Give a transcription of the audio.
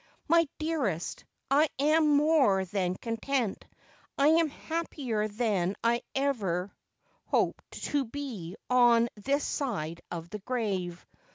' My dearest, I am more than content. I am happier than I ever hoped to be on this side of the grave.